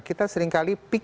kita seringkali picky